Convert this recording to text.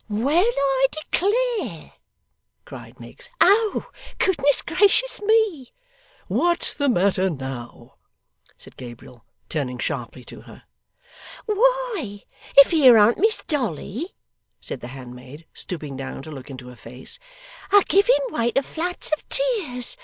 'Well, I declare,' cried Miggs. 'Oh! Goodness gracious me!' 'What's the matter now?' said Gabriel, turning sharply to her. 'Why, if here an't Miss Dolly,' said the handmaid, stooping down to look into her face, 'a giving way to floods of tears.